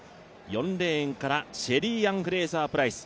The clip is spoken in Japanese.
４レーンからシェリーアン・フレイザー・プライス。